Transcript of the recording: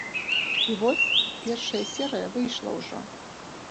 І вось першая серыя выйшла ўжо.